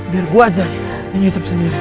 biar gue aja yang nyisep sendiri